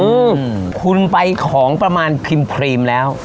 อืมคุณไปของประมาณพิมพรีมแล้ว